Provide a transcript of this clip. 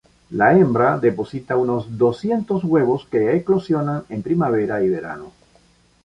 La hembra deposita unos doscientos huevos que eclosionan en primavera y verano.